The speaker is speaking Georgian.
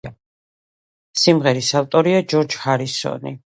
სიმღერის ავტორია ჯორჯ ჰარისონი.